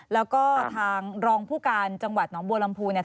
แล้วก็ทางรองผู้การจังหวัดหนองบัวลำพูเนี่ย